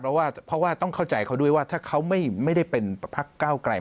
เพราะว่าต้องเข้าใจเขาด้วยว่าถ้าเขาไม่ได้เป็นพักเก้าไกล